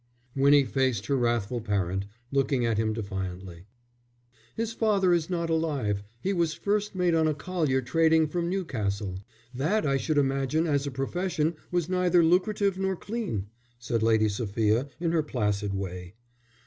Winnie faced her wrathful parent, looking at him defiantly. "His father is not alive. He was first mate on a collier trading from Newcastle." "That, I should imagine, as a profession, was neither lucrative nor clean," said Lady Sophia, in her placid way.